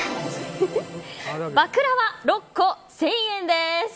バクラワ、６個１０００円です。